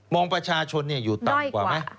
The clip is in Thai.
ประชาชนอยู่ต่ำกว่าไหม